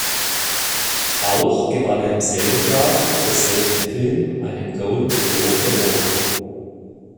Auch gewann er im selben Jahr für selben Film einen Golden Globe Award.